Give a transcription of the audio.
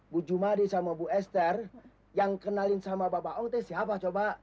bu jumadi sama bu esther yang kenalin sama bapak oke siapa coba